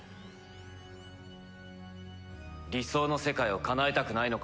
理想の世界をかなえたくないのか？